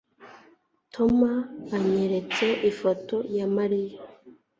Tom anyeretse ifoto ya Mariya